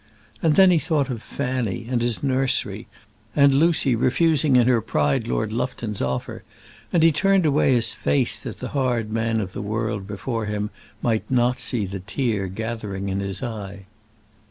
And then he thought of Fanny and his nursery, and Lucy refusing in her pride Lord Lufton's offer, and he turned away his face that the hard man of the world before him might not see the tear gathering in his eye.